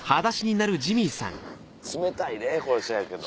冷たいでこれせやけど。